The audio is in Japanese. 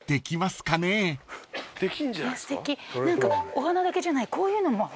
すてきお花だけじゃないこういうのもほら。